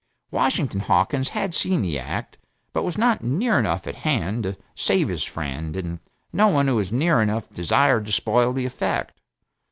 Washington Hawkins had seen the act, but was not near enough at hand to save his friend, and no one who was near enough desired to spoil the effect.